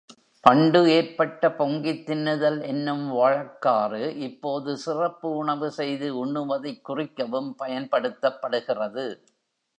பண்டு ஏற்பட்ட பொங்கித் தின்னுதல் என்னும் வழக்காறு, இப்போது சிறப்பு உணவு செய்து உண்ணுவதைக் குறிக்கவும் பயன் படுத்தப்படுகிறது.